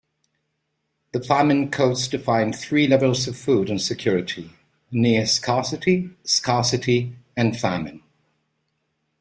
The Famine Codes defined three levels of food insecurity: near-scarcity, scarcity, and famine.